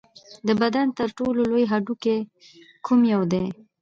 د بدن تر ټولو لوی هډوکی کوم یو دی